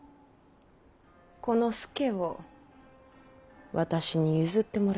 この佐を私に譲ってもらえぬか。